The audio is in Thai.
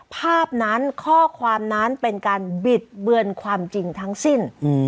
ภาพนั้นข้อความนั้นเป็นการบิดเบือนความจริงทั้งสิ้น